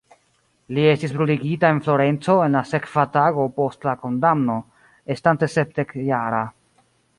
Li estis bruligita en Florenco en la sekva tago post la kondamno, estante sepdek-jara.